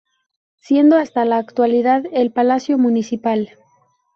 Siendo hasta la actualidad el Palacio Municipal.